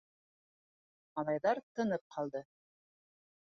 Малайҙар тынып ҡалды.